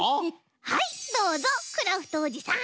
はいどうぞクラフトおじさん！